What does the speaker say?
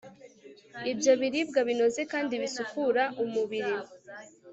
ibyo biribwa binoza kandi bisukura umubiri